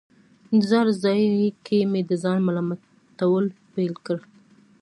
انتظار ځای کې مې د ځان ملامتول پیل کړل.